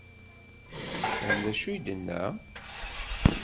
Tefhem d acu i d-tenna?